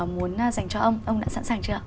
muốn dành cho ông ông đã sẵn sàng chưa